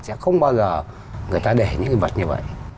sẽ không bao giờ người ta để những cái vật như vậy